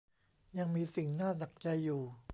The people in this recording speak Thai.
ยังมีสิ่งน่าหนักใจอยู่